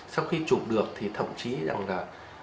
sau khi chụp được thì thậm chí rằng là